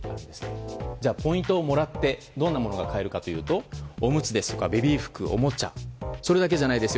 じゃあ、ポイントをもらってどんなものが買えるかというとおむつやベビー服、おもちゃそれだけじゃないですよ。